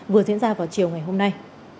vừa diễn ra vào chiều ngày hôm nay